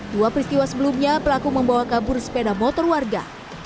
dua peristiwa sebelumnya pelaku membawa kabur sepeda motor warga